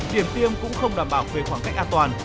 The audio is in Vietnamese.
điểm tiêm cũng không đảm bảo về khoảng cách an toàn